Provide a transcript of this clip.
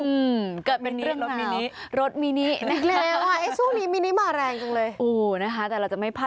ไม่คี่กันไม่คี่กันคี่มันเจ็ดแล้วนะคะ